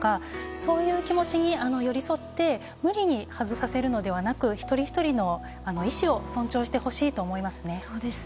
そういう気持ちに寄り添って無理に外させるのではなく一人ひとりの意思を尊重してほしいと思います。